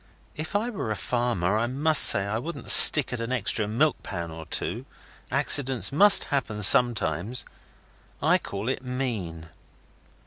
If I were a farmer, I must say I wouldn't stick at an extra milk pan or two. Accidents must happen sometimes. I call it mean.